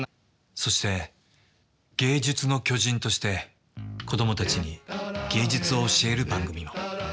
そして芸術の巨人として子供たちに芸術を教える番組も。